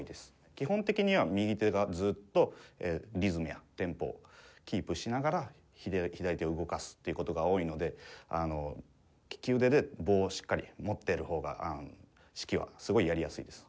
基本的には右手がずっとリズムやテンポをキープしながら左手を動かすっていう事が多いのできき腕で棒をしっかり持ってるほうが指揮はすごいやりやすいです。